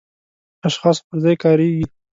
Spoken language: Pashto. اشخاصو پر ځای کاریږي.